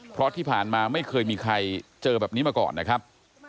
เพราะที่ผ่านมาไม่เคยมีใครเจอแบบนี้มาก่อนนะครับ